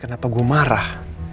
kenapa gue marah